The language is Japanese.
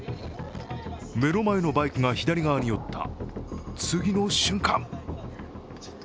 目の前のバイクが左側に寄った次の瞬間